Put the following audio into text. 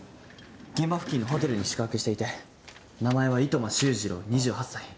現場付近のホテルに宿泊していて名前は糸間修二郎２８歳。